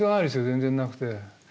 全然なくて。